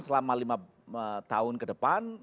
selama lima tahun ke depan